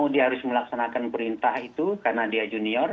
dia harus melaksanakan perintah itu karena dia junior